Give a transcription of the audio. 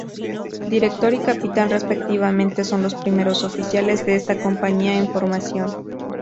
Director y Capitán, respectivamente son los primeros oficiales de esta compañía en formación.